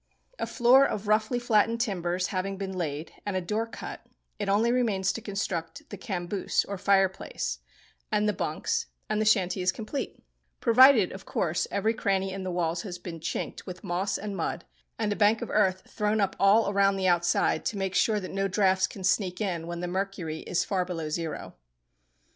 A floor of roughly flattened timbers having been laid and a door cut, it only remains to construct the "camboose," or fireplace, and the bunks, and the shanty is complete; provided, of course, every cranny in the walls has been chinked with moss and mud, and a bank of earth thrown up all around the outside to make sure that no draughts can sneak in when the mercury is far below zero.